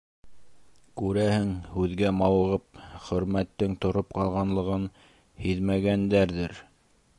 Күрәһең, һүҙгә мауығып, Хөрмәттең тороп ҡалғанлығын һиҙмәгәндәрҙер.